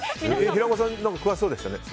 平子さん詳しそうでしたね